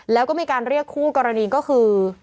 แล้วก็มีการเรียกคู่กรณีก็คือ